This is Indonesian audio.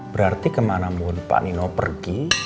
berarti kemana pun pak nino pergi